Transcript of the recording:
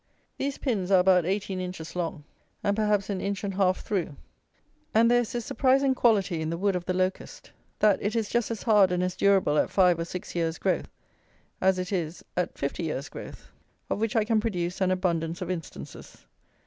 These pins are about eighteen inches long, and, perhaps, an inch and half through; and there is this surprising quality in the wood of the locust, that it is just as hard and as durable at five or six years' growth as it is at fifty years' growth. Of which I can produce an abundance of instances.